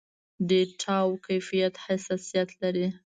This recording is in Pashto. ډېټاوو کيفيت حساسيت لري.